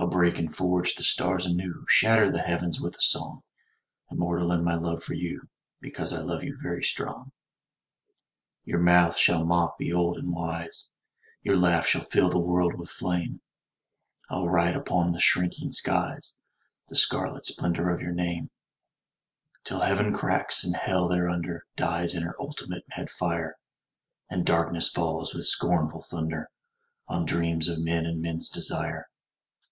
I'll break and forge the stars anew, Shatter the heavens with a song; Immortal in my love for you, Because I love you, very strong. Your mouth shall mock the old and wise, Your laugh shall fill the world with flame, I'll write upon the shrinking skies The scarlet splendour of your name, Till Heaven cracks, and Hell thereunder Dies in her ultimate mad fire, And darkness falls, with scornful thunder, On dreams of men and men's desire.